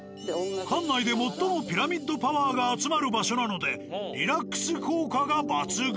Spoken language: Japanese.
館内で最もピラミッドパワーが集まる場所なのでリラックス効果が抜群。